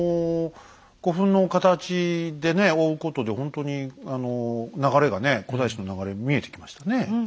古墳の形でね追うことでほんとに流れがね古代史の流れ見えてきましたね。